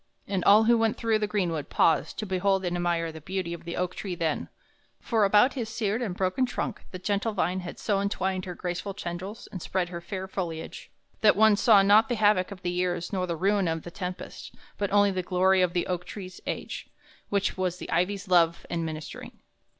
And all who went through the greenwood paused to behold and admire the beauty of the oak tree then; for about his seared and broken trunk the gentle vine had so entwined her graceful tendrils and spread her fair foliage, that one saw not the havoc of the years nor the ruin of the tempest, but only the glory of the oak tree's age, which was the ivy's love and ministering.